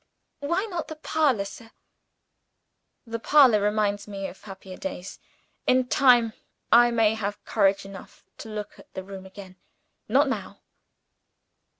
"Why not in the parlor, sir?" "The parlor reminds me of happier days. In time, I may have courage enough to look at the room again. Not now."